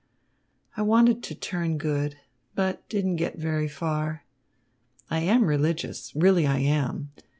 "I wanted to turn good, but didn't get very far. I am religious. Really I am.